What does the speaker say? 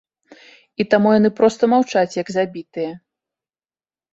І таму яны проста маўчаць як забітыя.